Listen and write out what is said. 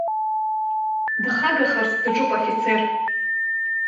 Дхагахарц даҿуп афицер.